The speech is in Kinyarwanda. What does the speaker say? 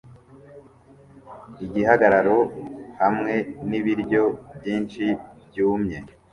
igihagararo hamwe nibiryo byinshi byumye